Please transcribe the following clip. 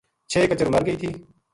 چھ کچر مر گئی تھی